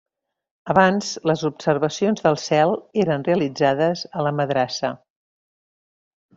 Abans, les observacions del cel eren realitzades a la madrassa.